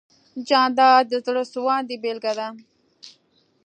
جانداد د زړه سواندۍ بېلګه ده.